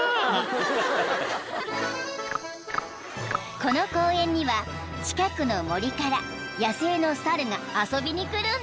［この公園には近くの森から野生の猿が遊びに来るんだって］